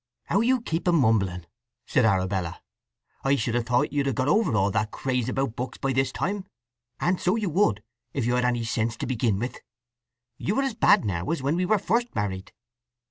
"How you keep a mumbling!" said Arabella. "I should have thought you'd have got over all that craze about books by this time. And so you would, if you'd had any sense to begin with. You are as bad now as when we were first married."